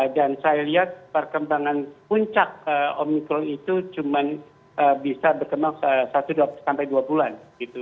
dan saya lihat perkembangan puncak omicron itu cuma bisa berkembang satu dua bulan